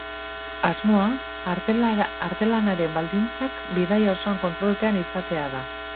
Asmoa artelanaren baldintzak bidaia osoan kontrolpean izatea da.